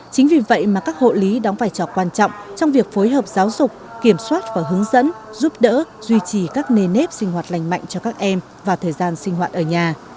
chính vì vậy mà các hộ lý đóng vai trò quan trọng trong việc phối hợp giáo dục kiểm soát và hướng dẫn giúp đỡ duy trì các nề nếp sinh hoạt lành mạnh cho các em vào thời gian sinh hoạt ở nhà